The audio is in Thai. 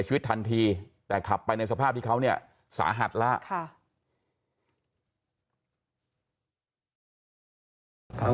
ชีวิตทันทีแต่ขับไปในสภาพที่เขาเนี่ยสาหัสแล้ว